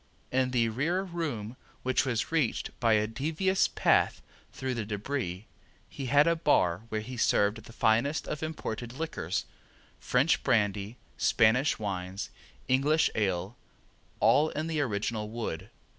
In the rear room, which was reached by a devious path through the debris, he had a bar where he served the finest of imported liquors, French brandy, Spanish wines, English ale, all in the original wood.